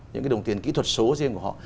những cái đồng tiền kỹ thuật số riêng của họ